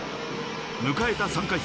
迎えた３回戦。